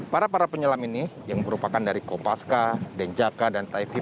para para penyelam ini yang merupakan dari kopaska denjaka dan taifi